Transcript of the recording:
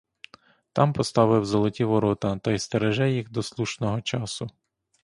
Там поставив золоті ворота та й стереже їх до слушного часу.